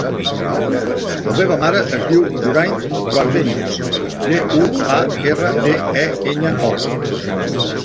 La meva mare es diu Hoorain Guardeño: ge, u, a, erra, de, e, enya, o.